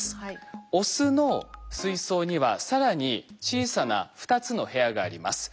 オスの水槽には更に小さな２つの部屋があります。